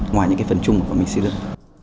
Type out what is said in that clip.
ngoài những cái phần chung mà bọn mình xây dựng